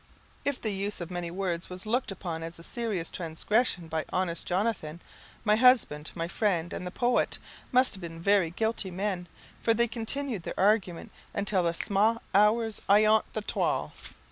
If the use of many words was looked upon as a serious transgression by honest Jonathan, my husband, my friend, and the poet, must have been very guilty men, for they continued their argument until the "sma' hours ayont the twal."